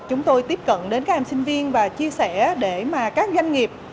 chúng tôi tiếp cận đến các em sinh viên và chia sẻ để các doanh nghiệp